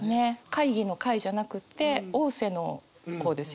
「会議」の「会」じゃなくて「瀬」の方ですよね。